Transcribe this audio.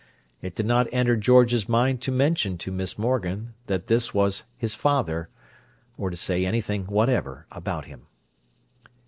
It did not enter George's mind to mention to Miss Morgan that this was his father, or to say anything whatever about him.